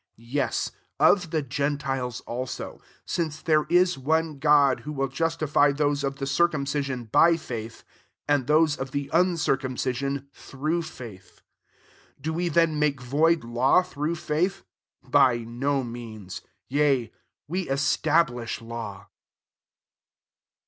Yes; of the gentiles also: 30 since there is one God, who will justify those qf the circum cision by faith, and those of the uncircumcision through faith. 31 Do we then make void law through faith ? By no means : yea, we establish law.